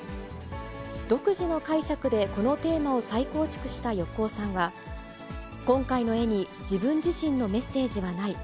独自の解釈でこのテーマを再構築した横尾さんは、今回の絵に自分自身のメッセージはない。